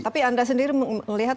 tapi anda sendiri melihat